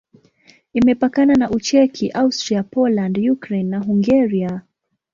Imepakana na Ucheki, Austria, Poland, Ukraine na Hungaria.